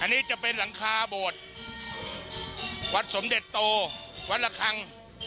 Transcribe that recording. อันนี้จะเป็นหลังคาโบสถ์วัดสมเด็จโตวัดละคัง